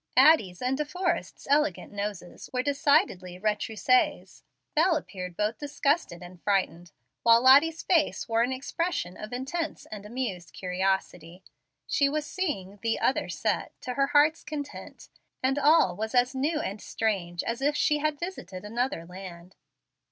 Addie's and De Forrest's elegant noses were decidedly retrousses; Bel appeared both disgusted and frightened; while Lottie's face wore an expression of intense and amused curiosity. She was seeing "the other set" to her heart's content, and all was as new and strange as if she had visited another land.